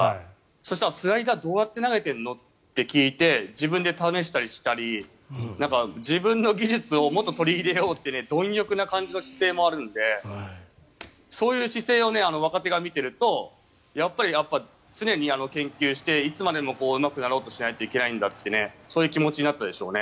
そしたら、スライダーどうやって投げてるの？って聞いて自分で試したりしたり自分に技術をもっと取り入れようという貪欲な姿勢の感じもあるのでそういう姿勢を若手が見てるとやっぱり常に研究していつまでもうまくなろうとしなきゃいけないんだとそういう気持ちになったでしょうね。